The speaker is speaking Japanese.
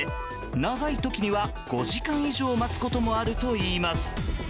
長い時には５時間以上待つこともあるといいます。